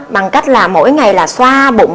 bằng cách là mỗi ngày xoa bụng